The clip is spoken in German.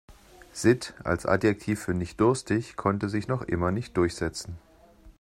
Sitt als Adjektiv für nicht-durstig konnte sich noch immer nicht durchsetzen.